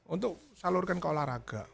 untuk salurkan ke olahraga